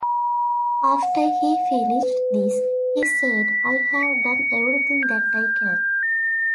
"After he finished this, he said, 'I've done everything that I can'".